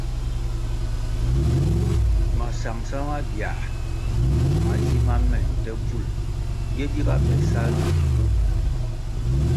Masangʼsa mabia ma zima me nte bvul yè giga be sal nakugu.